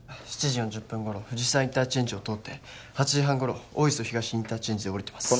７時４０分頃藤沢インターチェンジを通って８時半頃大磯東インターチェンジで降りてます